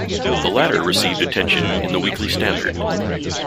The latter received attention in the Weekly Standard.